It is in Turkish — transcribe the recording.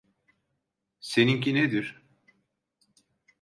Seninki nedir?